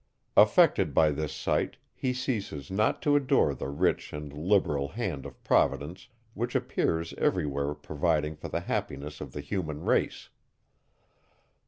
Affected by this sight, he ceases not to adore the rich and liberal hand of providence, which appears every where providing for the happiness of the human race.